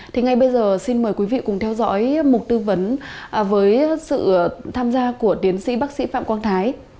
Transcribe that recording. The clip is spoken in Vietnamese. thì ngay bây giờ xin mời quý vị cùng theo dõi mục tư vấn với sự tham gia của tiến sĩ bác sĩ phạm quang thái